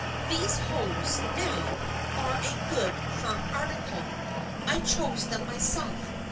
These hose, now, are a good, firm article; I chose them myself.